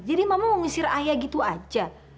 jadi mama mengusir ayah begitu saja